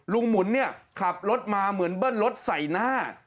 หมุนเนี่ยขับรถมาเหมือนเบิ้ลรถใส่หน้า